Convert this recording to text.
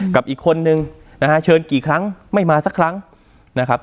กับอีกคนนึงนะฮะเชิญกี่ครั้งไม่มาสักครั้งนะครับ